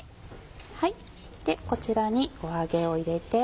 こちらに揚げを入れて。